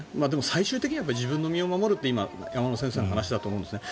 最終的には自分の身を守るって山村さんの話だと思うんですね。